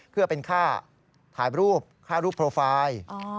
เพื่อเป็นค่าถ่ายรูปค่ารูปโปรไฟล์